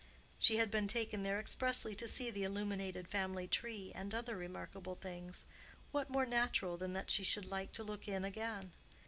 She had been taken there expressly to see the illuminated family tree, and other remarkable things—what more natural than that she should like to look in again?